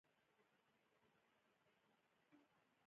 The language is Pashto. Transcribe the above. لکه اسرائیلو ته چې ورکړل شوي.